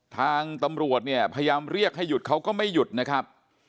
ทางตำรวจเนี่ยพยายามเรียกให้หยุดเขาก็ไม่หยุดนะครับ